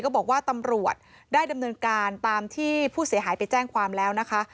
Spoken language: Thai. บอกว่าตำรวจได้ดำเนินการตามที่ผู้เสียหายไปแจ้งความแล้วนะคะ